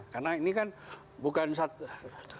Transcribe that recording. karena ini kan bukan satu